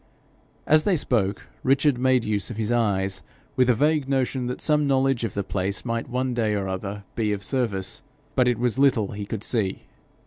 As they spoke, Richard made use of his eyes, with a vague notion that some knowledge of the place might one day or other be of service, but it was little he could see.